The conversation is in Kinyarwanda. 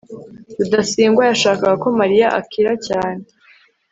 rudasingwa yashakaga ko mariya akira cyane